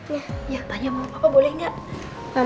ya ya ya banyain sama papa boleh gak